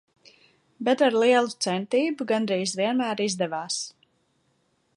Bet ar lielu centību gandrīz vienmēr izdevās.